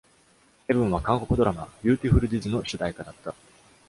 ヘヴンは韓国ドラマ「ビューティフルディズ」の主題歌だった。